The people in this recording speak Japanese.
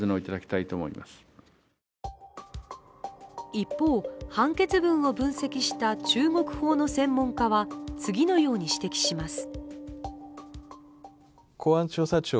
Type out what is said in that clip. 一方、判決文を分析した中国法の専門家は次のように指摘します。